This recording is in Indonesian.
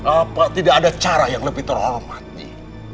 apa tidak ada cara yang lebih terhormati